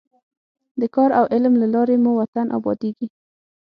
د کار او علم له لارې مو وطن ابادېږي.